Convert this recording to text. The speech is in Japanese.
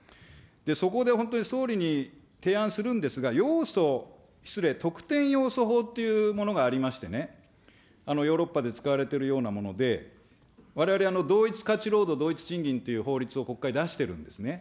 そこで本当に総理に提案するんですが、ようそ、失礼、とくてんようそ法というものがありましてね、ヨーロッパで使われているようなもので、われわれ、同一価値労働同一賃金という法律を国会、出しているんですね。